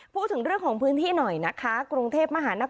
พูดถึงเรื่องของพื้นที่หน่อยนะคะ